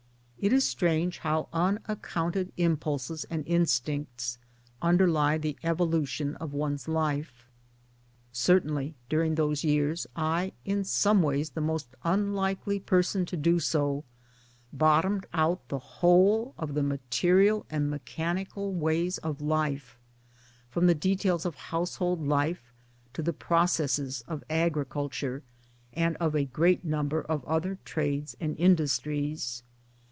It is strange how unaccounted impulses and instincts underlie the evolution of one's life. Certainly during those years I (in some ways the most unlikely person to do so) bottomed out the whole of the material and mechanical ways of life from the details of house hold life to the processes of agriculture and of a great number of other trades and industries.